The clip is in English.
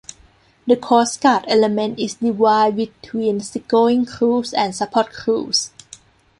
The Coast Guard element is divided between seagoing crews and support crews.